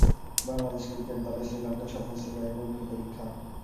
Bangladesh cricket দলের শ্রীলংকা সফর ছিল এক অগ্নিপরীক্ষা।